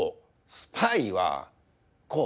「スパイはこう」。